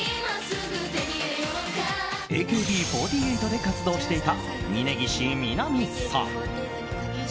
ＡＫＢ４８で活動していた峯岸みなみさん。